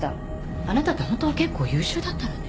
あなたってホントは結構優秀だったのね。